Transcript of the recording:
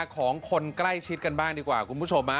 ของคนใกล้ชิดกันบ้างดีกว่าคุณผู้ชม